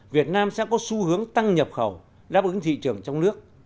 việt nam sẽ có xu hướng tăng nhập khẩu đáp ứng thị trường trong nước